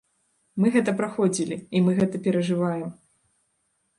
Мы гэта праходзілі, і мы гэта перажываем.